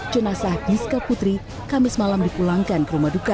jenazah diska putri kamis malam dipulangkan ke rumah duka